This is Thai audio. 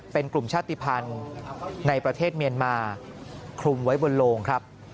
เป็นกลุ่มชาติภัณฑ์ในประเทศเมียนมาคลุมไว้บนโลงครับ